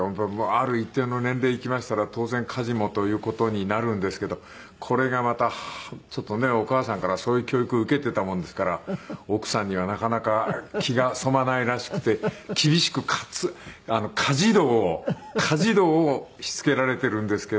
ある一定の年齢いきましたら当然家事もという事になるんですけどこれがまたちょっとねお母さんからそういう教育受けていたもんですから奥さんにはなかなか気が染まないらしくて厳しく家事道を家事道をしつけられているんですけども。